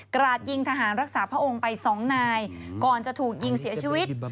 ราดยิงทหารรักษาพระองค์ไป๒นายก่อนจะถูกยิงเสียชีวิต